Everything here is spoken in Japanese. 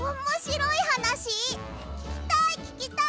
ききたいききたい！